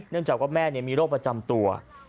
เนื่องจากว่าแม่มีโรคประจำตัว